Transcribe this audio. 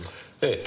ええ。